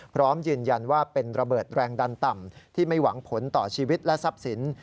พร้อมยืนยันว่าเป็นระเบิดแรงดันต่ำที่ไม่หวังผลต่อชีวิตและทรัพย์สิน